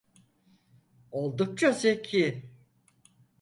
Oldukça zeki.